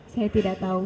saya tidak tahu